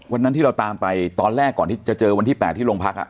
วันนั้นที่เราตามไปตอนแรกก่อนที่จะเจอวันที่๘ที่โรงพัก